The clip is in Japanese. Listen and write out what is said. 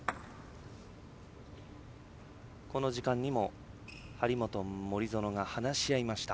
この時間にも張本、森薗が話し合いました。